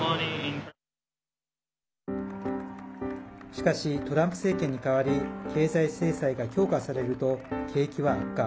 しかし、トランプ政権に変わり経済制裁が強化されると景気は悪化。